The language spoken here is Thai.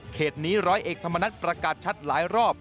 เหตุนี้ร้อยเอกธรรมนัฐประกาศชัดหลายรอบ